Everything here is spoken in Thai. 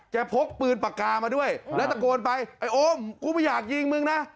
พกปืนปากกามาด้วยแล้วตะโกนไปไอ้โอมกูไม่อยากยิงมึงนะ